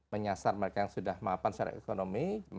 menyasar mereka yang sudah mapan secara ekonomi